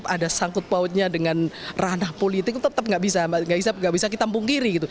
ada sangkut pautnya dengan ranah politik tetap nggak bisa kita mungkiri